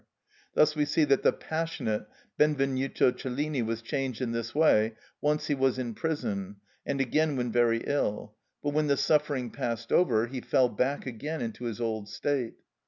Thus we see that the passionate Benvenuto Cellini was changed in this way, once when he was in prison, and again when very ill; but when the suffering passed over, he fell back again into his old state.